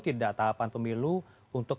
tidak tahapan pemilu untuk